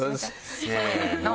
せの。